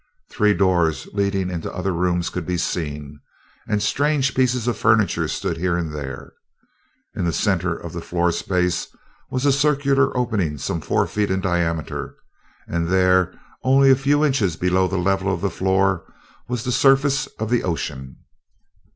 Three doors leading into other rooms could be seen, and strange pieces of furniture stood here and there. In the center of the floor space was a circular opening some four feet in diameter, and there, only a few inches below the level of the floor, was the surface of the ocean.